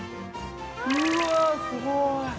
◆うわっ、すごーい。